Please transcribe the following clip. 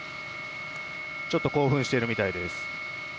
ちょっと興奮しているみたいです。